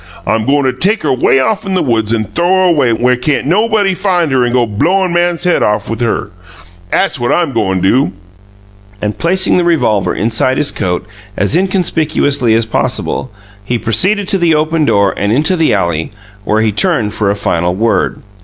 I'm goin' take her way off in the woods an' th'ow her away where can't nobody fine her an' go blowin' man's head off with her. 'At's what I'm goin' do!" And placing the revolver inside his coat as inconspicuously as possible, he proceeded to the open door and into the alley, where he turned for a final word.